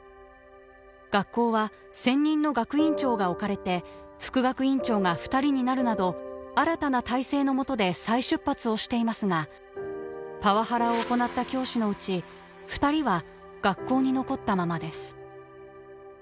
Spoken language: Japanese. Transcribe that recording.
学校は専任の学院長が置かれて副学院長が２人になるなど新たな体制のもとで再出発をしていますがパワハラを行った教師のうち２人は学校に残ったままです。